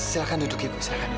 silakan duduk ibu silakan duduk